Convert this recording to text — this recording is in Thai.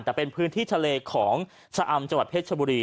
แต่เป็นพื้นที่ทะเลของชะอำจังหวัดเพชรชบุรี